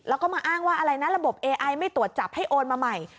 แล้วก็มาอ้างว่าอะไรนะระบบเอไอไม่ตรวจจับให้โอนมาใหม่